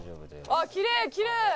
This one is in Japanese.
「あっきれいきれい！」